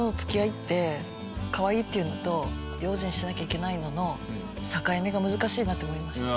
かわいいっていうのと用心しなきゃいけないのの境目が難しいなって思いました。